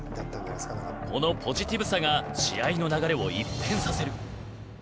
このポジティブさが試合の流れを一変させる。